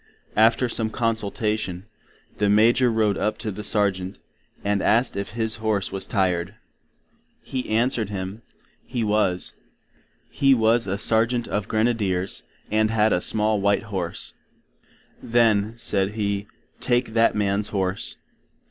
After some consultation, the Major Rode up to the Sargent, and asked if his Horse was tired? He answered him, he was (He was a Sargent of Grenadiers, and had a small Horse)—then, said He, take that man's Horse.